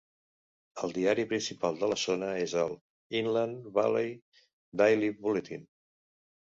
El diari principal de la zona és el "Inland Valley Daily Bulletin".